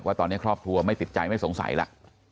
ว่าตอนนี้ครอบครัวไม่ติดใจไม่สงสัยแล้ว